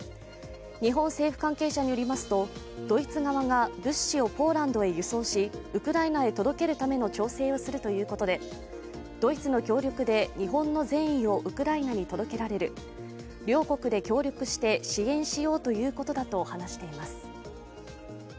日本政府関係者によりますとドイツ側が物資をポーランドへ輸送しウクライナへ届けるための調整をするということでドイツの協力で日本の善意をウクライナに届けられる、両国で協力して支援しようということだと話しています。